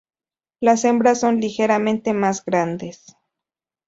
Las hembras son ligeramente más grandes.